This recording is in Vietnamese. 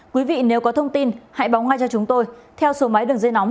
quý vị nếu có thông tin hãy báo ngay cho chúng tôi theo số máy đường dây nóng